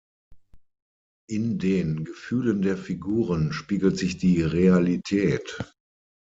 In den Gefühlen der Figuren spiegelt sich die Realität.